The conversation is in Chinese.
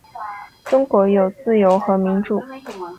中国有自由和民主